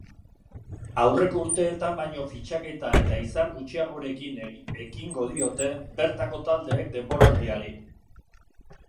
Aurreko urteetan baino fitxaketa eta izar gutxiagorekin ekingo diote bertako taldeek denboraldiari.